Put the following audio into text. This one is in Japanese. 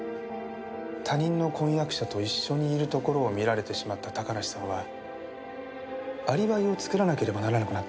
他人の婚約者と一緒にいるところを見られてしまった高梨さんはアリバイを作らなければならなくなったんです。